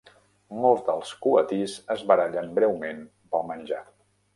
Molts dels coatís es barallen breument pel menjar.